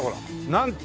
「なんと！！